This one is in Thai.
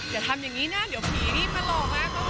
อย่าทำอย่างนี้นะเดี๋ยวผีมันรอมาก